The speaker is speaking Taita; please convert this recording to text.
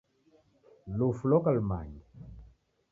Lufu loka lumange